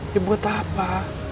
ya buat apa